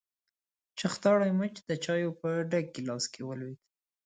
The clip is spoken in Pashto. چختاړي مچ د چايو په ډک ګيلاس کې ولوېد.